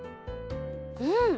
うん！